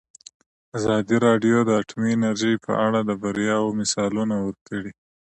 ازادي راډیو د اټومي انرژي په اړه د بریاوو مثالونه ورکړي.